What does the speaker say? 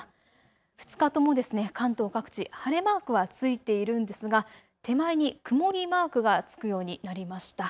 ２日とも関東各地、晴れマークはついているんですが手前に曇りマークがつくようになりました。